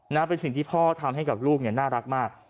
นะเป็นสิ่งที่พ่อทำให้กับลูกเนี่ยน่ารักมาก